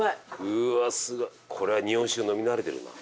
うわすごいこれは日本酒飲み慣れてるな。